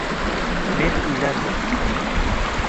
Men uylandim